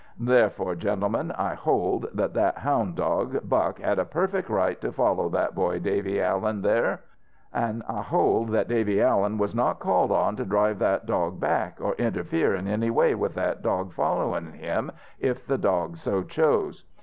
"Therefore, gentlemen, I hold that that houn' dog, Buck, had a perfect right to follow that boy, Davy Allen, there; an' I hold that Davy Allen was not called on to drive that dog back, or interfere in any way with that dog followin' him if the dog so chose.